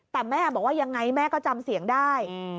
แต่แม่บอกว่ายังไงแม่ก็จำเสียงได้